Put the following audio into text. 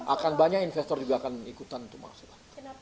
akan banyak investor juga akan ikutan untuk maksimal